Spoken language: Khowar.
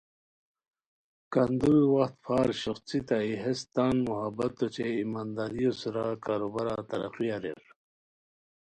کندُوری وخت پھار شوخڅیتائے ہیس تان محنتو اوچے ایمانداریو سورا کاروبارا ترقی اریر